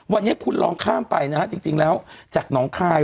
วันนี้คุณลองข้ามไปนะฮะจริงแล้วจากหนองคาย